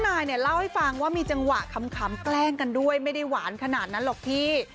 นายเนี่ยเล่าให้ฟังว่ามีจังหวะขำแกล้งกันด้วยไม่ได้หวานขนาดนั้นหรอกพี่